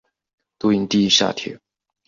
都营地下铁